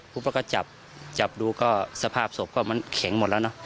เขาก็จับจับดูก็สภาพศพก็มันแข็งหมดแล้วเนอะ